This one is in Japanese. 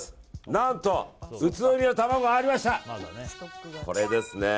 何と、宇都宮の卵がありました。